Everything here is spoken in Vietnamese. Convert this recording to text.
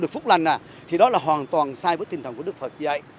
phúc lành thì đó là hoàn toàn sai với tình thần của đức phật vậy